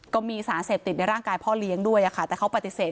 ก็มีสารเสพติดในร่างกายพ่อเลี้ยงด้วยค่ะแต่เขาปฏิเสธ